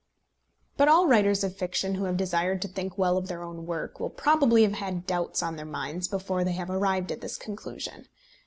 But all writers of fiction who have desired to think well of their own work, will probably have had doubts on their minds before they have arrived at this conclusion.